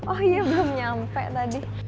oh iya belum nyampe tadi